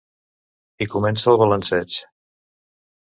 I comença el balanceig.